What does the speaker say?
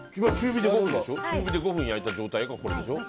中火で５分焼いた状態がこれでしょ。